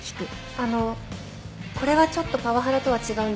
あのこれはちょっとパワハラとは違うんですが。